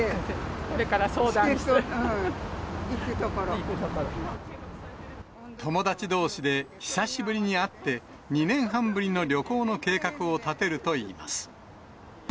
これから相談して、行くとこ友達どうしで久しぶりに会って、２年半ぶりの旅行の計画を立てるといいます。